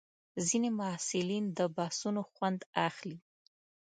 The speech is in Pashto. ځینې محصلین د بحثونو خوند اخلي.